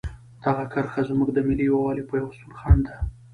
دغه کرښه زموږ د ملي یووالي او پیوستون خنډ ده.